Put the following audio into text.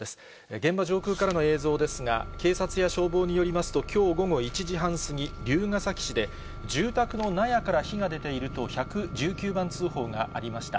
現場上空からの映像ですが、警察や消防によりますと、きょう午後１時半過ぎ、龍ケ崎市で、住宅の納屋から火が出ていると１１９番通報がありました。